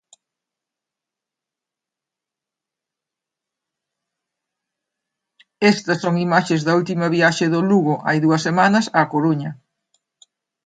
Estas son imaxes da última viaxe do Lugo hai dúas semanas á Coruña.